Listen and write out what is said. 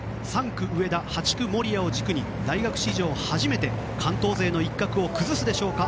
３区、上田８区、守屋を軸に大学史上初めて関東勢の一角を崩すでしょうか。